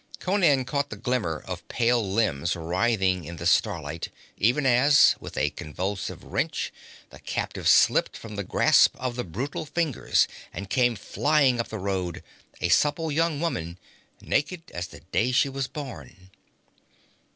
Conan caught the glimmer of pale limbs writhing in the starlight, even as, with a convulsive wrench, the captive slipped from the grasp of the brutal fingers and came flying up the road, a supple young woman, naked as the day she was born.